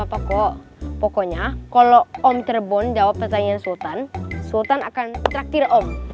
apa kok pokoknya kalau om terbun jawab pertanyaan sultan sultan akan terakhir om